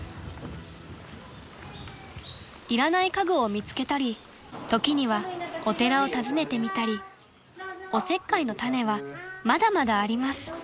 ［いらない家具を見つけたり時にはお寺を訪ねてみたりおせっかいのタネはまだまだあります］